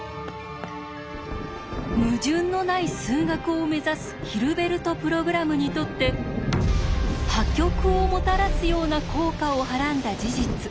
矛盾のない数学を目指すヒルベルト・プログラムにとって破局をもたらすような効果をはらんだ事実。